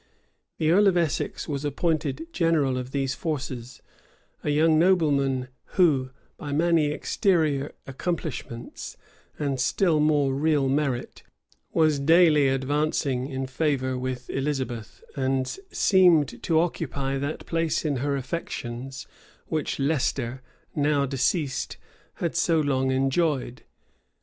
The earl of Essex was appointed general of these forces; a young nobleman, who, by many exterior accomplishments, and still more real merit, was daily advancing in favor with Elizabeth, and seemed to occupy that place in her affections, which Leicester, now deceased, had so long enjoyed.